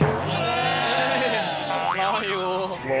ต้องมาเล่นด้วยกันดี